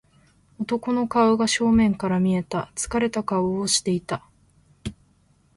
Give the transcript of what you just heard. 男の顔が正面から見えた。疲れた顔をしていた。